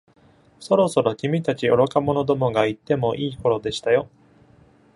そろそろ君たち愚か者どもが言ってもいい頃でしたよ。